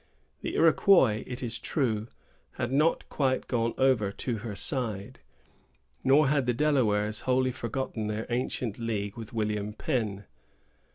The Iroquois, it is true, had not quite gone over to her side; nor had the Delawares wholly forgotten their ancient league with William Penn.